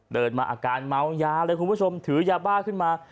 เดินมาอาการเมายาเลยคุณผู้ชมถือยาบ้าขึ้นมา